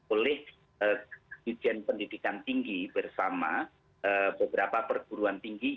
oleh dirjen pendidikan tinggi bersama beberapa perguruan tinggi